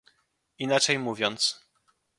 Inaczej mówiąc